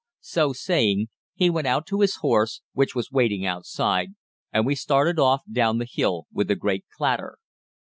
So saying, he went out to his horse, which was waiting outside, and we started off down the hill with a great clatter.